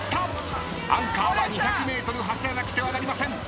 アンカーは２００ｍ走らなくてはなりません。